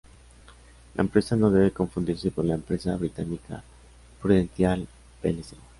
La empresa no debe confundirse con la empresa británica Prudential plc.